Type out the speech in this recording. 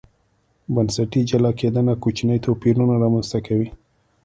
بنسټي جلا کېدنه کوچني توپیرونه رامنځته کوي.